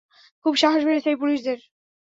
খুব সাহস বেড়েছে এই পুলিশদের।